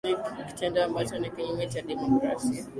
ni ni ni nii nikitendo ambacho ni kinyume cha demokrasia